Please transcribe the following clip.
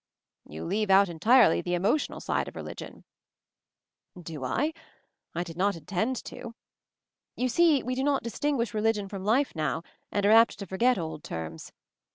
"You leave out entirely the emotional side of religion." "Do I ? I did not intend to. You see, we do not distinguish religion from life now, and are apt to forget old terms.